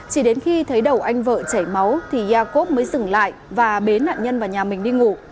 chỉ đến khi thấy đầu anh vợ chảy máu thì yakov mới dừng lại và bế nạn nhân vào nhà mình đi ngủ